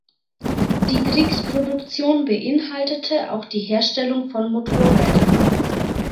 Die Kriegsproduktion beinhaltete auch die Herstellung von Motorrädern.